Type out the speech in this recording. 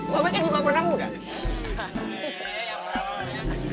babi kan juga pernah muda